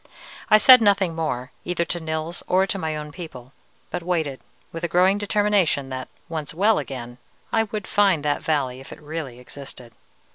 I said nothing more, either to Nils or to my own people, but waited, with a growing determination that, once well again, I would find that valley if it really existed.